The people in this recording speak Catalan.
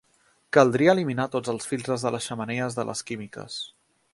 Caldria eliminar tots els filtres de les xemeneies de les químiques.